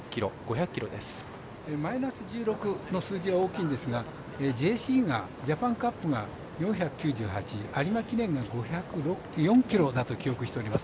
マイナス１６の数字は大きいんですが、ＪＣがジャパンカップが４０１有馬記念が５０４ｋｇだと記憶しております。